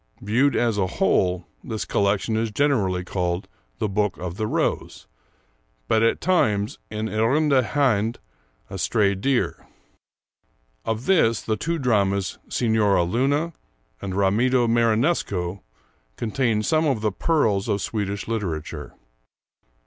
Viewed as a whole, this collection is generally called 'The Book of the Rose,' but at times 'En Irrande Hind' (A Stray Deer). Of this, the two dramas, 'Signora Luna' and 'Ramido Marinesco,' contain some of the pearls of Swedish literature.